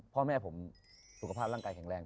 พ่อแม่ผมสุขภาพร่างกายแข็งแรง